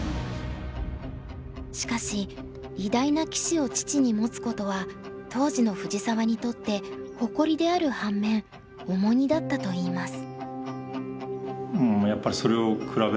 しかし偉大な棋士を父に持つことは当時の藤澤にとって誇りである反面重荷だったといいます。